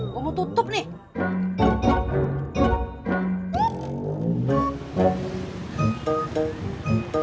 gue mau tutup nih